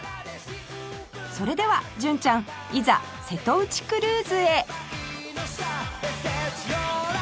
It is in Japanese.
それでは純ちゃんいざ瀬戸内クルーズへ